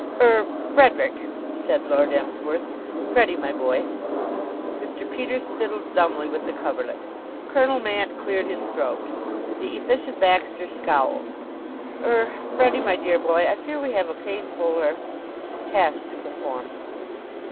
"Er Frederick!" said Lord Emsworth. "Freddie, my boy!" Mr. Peters fiddled dumbly with the coverlet. Colonel Mant cleared his throat. The Efficient Baxter scowled. "Er Freddie, my dear boy, I fear we have a painful er task to perform."